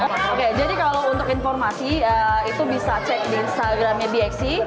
oke jadi kalau untuk informasi itu bisa cek di instagramnya dieksi